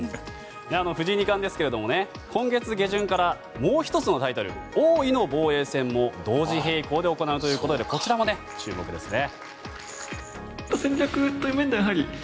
藤井二冠ですが今月下旬からもう１つのタイトル王位の防衛戦も同時並行で行うということでこちらも注目ですね。